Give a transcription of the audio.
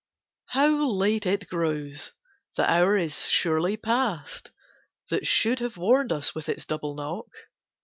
How late it grows! The hour is surely past That should have warned us with its double knock?